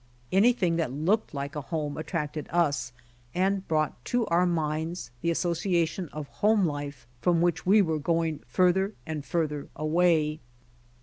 Anything that looked' like a home attracted us and brought to our minds the association of home life from which we were going farther and farther away.